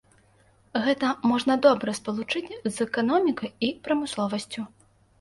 Гэта можна добра спалучыць з эканомікай і прамысловасцю.